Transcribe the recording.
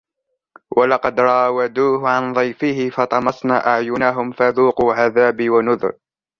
وَلَقَدْ رَاوَدُوهُ عَنْ ضَيْفِهِ فَطَمَسْنَا أَعْيُنَهُمْ فَذُوقُوا عَذَابِي وَنُذُرِ